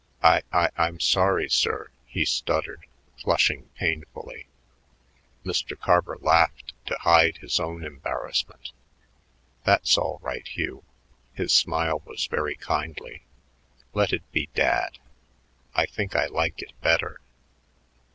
"I I I'm sorry, sir," he stuttered, flushing painfully. Mr. Carver laughed to hide his own embarrassment. "That's all right, Hugh." His smile was very kindly. "Let it be Dad. I think I like it better."